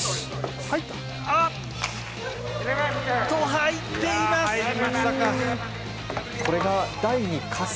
入っています。